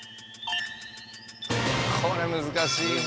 これ難しいね。